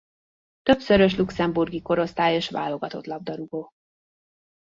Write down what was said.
Többszörös luxemburgi korosztályos válogatott labdarúgó.